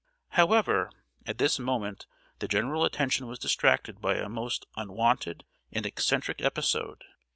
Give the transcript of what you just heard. However, at this moment the general attention was distracted by a most unwonted and eccentric episode.